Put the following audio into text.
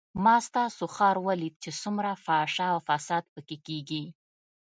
ما ستاسو ښار وليد چې څومره فحشا او فساد پکښې کېږي.